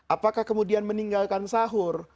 apakah kemudian meninggalkan sahur